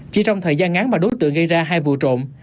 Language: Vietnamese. chỉ trong thời gian ngắn mà đối tượng gây ra hai vụ trộm